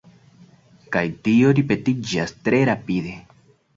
Kaj tio ripetiĝas tre rapide.